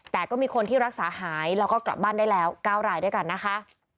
แต่ก็มีคนที่รักษาหายแล้วก็กลับบ้านได้แล้ว๙รายด้วยกันนะคะ